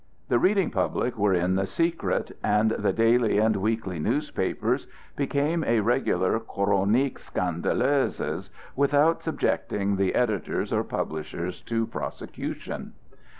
The reading public were in the secret, and the daily and weekly newspapers became a regular chronique scandaleuse without subjecting the editors or publishers to prosecution.